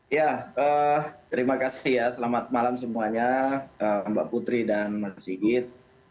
ya terima kasih ya selamat malam semuanya mbak putri dan mas sigit